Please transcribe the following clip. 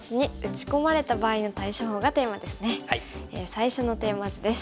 最初のテーマ図です。